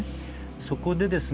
そこでですね